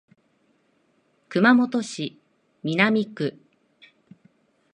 熊本市南区